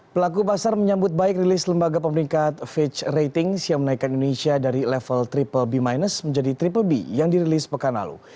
pelaku pasar menyambut baik rilis lembaga pemerintah fitch ratings yang menaikkan indonesia dari level bbb menjadi bbb yang dirilis pekan lalu